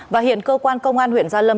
và hiện cơ quan công an huyện gia lâm